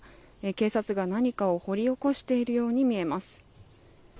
警察が何かを掘り起こしているように見えます。